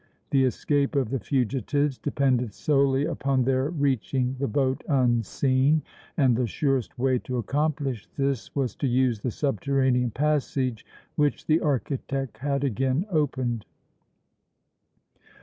The escape of the fugitives depended solely upon their reaching the boat unseen, and the surest way to accomplish this was to use the subterranean passage which the architect had again opened.